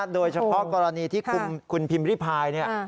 โดยเฉพาะกรณีที่คุณพิมพ์ริพาย